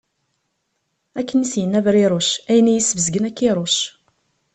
Akken i as-yenna Bṛiṛuc: ayen iyi-sbezgen, ad k-iṛuc.